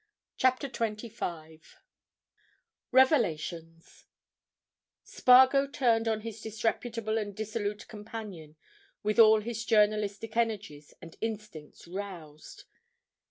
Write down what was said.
CHAPTER TWENTY FIVE REVELATIONS Spargo turned on his disreputable and dissolute companion with all his journalistic energies and instincts roused.